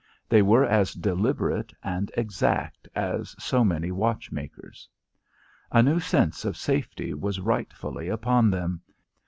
They were as deliberate and exact as so many watchmakers. A new sense of safety was rightfully upon them.